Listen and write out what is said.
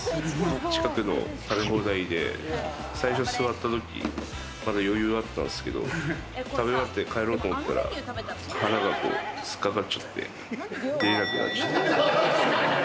近くの食べ放題で、最初座ったときまだ余裕あったんすけれど、食べ終わって帰ろうと思ったら腹がこう突っかかっちゃって、出れなくなっちゃった。